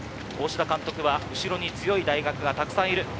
大志田監督は後ろに強い大学がたくさんいる。